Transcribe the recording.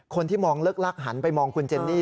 คนที่มองเลิกลักหันไปมองคุณเจนนี่